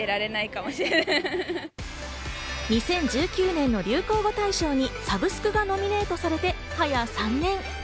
２０１９年の流行語大賞に「サブスク」がノミネートされて早３年。